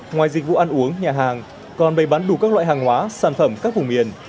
ngoài dịch vụ ăn uống nhà hàng còn bày bán đủ các loại hàng hóa sản phẩm các vùng miền